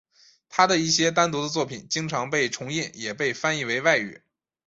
他的一些单独的作品经常被重印也被翻译为外语。